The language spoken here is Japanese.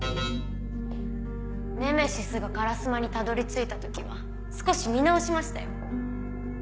ネメシスが烏丸にたどり着いた時は少し見直しましたよ。